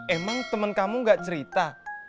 emang temen kamu gak cerita